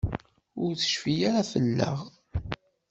Ur tecfi ara fell-aɣ.